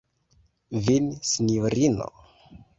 Vin, sinjorino!